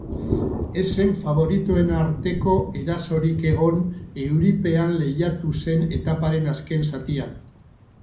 Ez zen faboritoen arteko erasorik egon euripean lehiatu zen etaparen azken zatian.